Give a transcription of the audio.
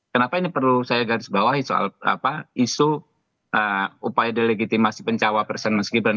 kenapa ini perlu saya garis bawahi soal isu upaya delegitimasi pencawa presiden mas gibran